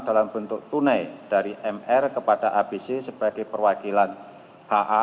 dalam bentuk tunai dari mr kepada abc sebagai perwakilan ha